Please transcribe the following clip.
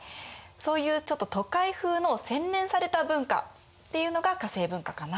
そういうちょっと都会風の洗練された文化っていうのが化政文化かな。